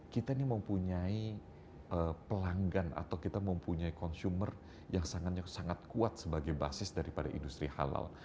kita ini mempunyai pelanggan atau kita mempunyai consumer yang sangat kuat sebagai basis daripada industri halal